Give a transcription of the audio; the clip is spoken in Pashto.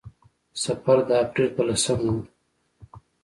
سفر د اپرېل په لسمه و.